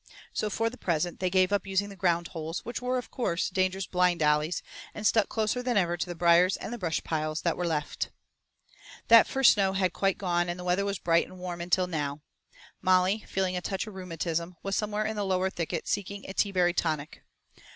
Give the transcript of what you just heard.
So for the present they gave up using the ground holes, which were, of course, dangerous blind alleys, and stuck closer than ever to the briers and the brush piles that were left. That first snow had quite gone and the weather was bright and warm until now. Molly, feeling a touch of rheumatism, was somewhere in the lower thicket seeking a teaberry tonic.